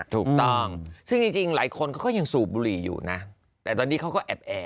ถูกต้องซึ่งจริงหลายคนเขาก็ยังสูบบุหรี่อยู่นะแต่ตอนนี้เขาก็แอบแอร์